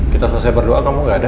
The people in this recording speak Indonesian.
kita selesai berdoa kamu gak ada